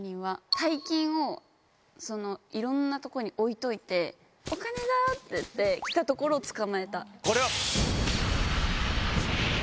大金をいろんなとこに置いといて「お金だ」って来たところを捕まえた。